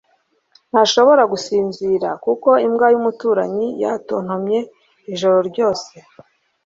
ntashobora gusinzira kuko imbwa yumuturanyi yatontomye ijoro ryose